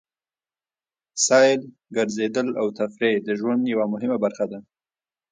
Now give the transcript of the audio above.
سیل، ګرځېدل او تفرېح د ژوند یوه مهمه برخه ده.